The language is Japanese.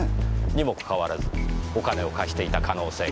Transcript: にもかかわらずお金を貸していた可能性がある。